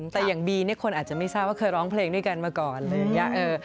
แต่อย่างบีเนี่ยคนอาจจะไม่ทราบว่าเคยร้องเพลงด้วยกันมาก่อนอะไรอย่างนี้